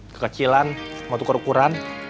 kekecilan mau tuker ukuran